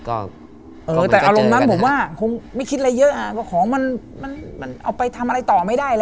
เอ้อแต่อารมณ์นั้นไม่คิดอะไรเยอะครับของมันเอาไปทำอะไรต่อไม่ได้แล้ว